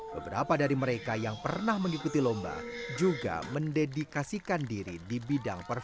beberapa dari mereka yang pernah mengikuti lomba juga mendedikasikan diri di bidang pertahanan